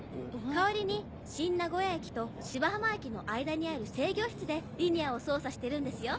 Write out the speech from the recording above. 代わりに新名古屋駅と芝浜駅の間にある制御室でリニアを操作してるんですよ。